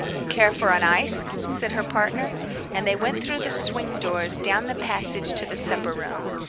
"Care for an ice?" said her partner. And they went through the swing doors, down the passage, to the supper room.